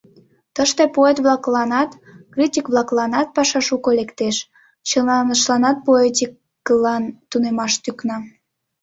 Тыште поэт-влакланат, критик-влакланат паша шуко лектеш — чылаштланат поэтикылан тунемаш тӱкна.